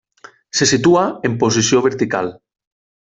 Se situa en posició vertical.